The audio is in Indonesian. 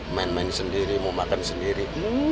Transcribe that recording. main main sendiri mau makan sendiri